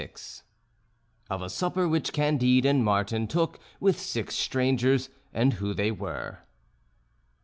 XXVI OF A SUPPER WHICH CANDIDE AND MARTIN TOOK WITH SIX STRANGERS, AND WHO THEY WERE.